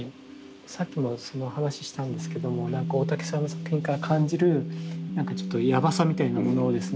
さっきもその話したんですけどもなんか大竹さんの作品から感じるなんかちょっとやばさみたいなものをですね